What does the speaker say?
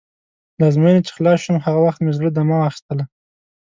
له ازموینې چې خلاص شوم، هغه وخت مې زړه دمه واخیستله.